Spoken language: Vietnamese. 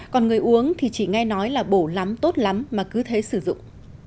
còn người uống thì chỉ nghe nói là bổ lắm tốt lắm mà cứ thấy sử dụng